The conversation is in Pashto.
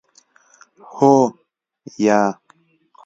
هو 👍 یا 👎